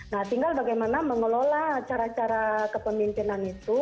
nah tinggal bagaimana mengelola cara cara kepemimpinan itu